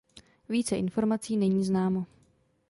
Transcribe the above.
Více informací není známo.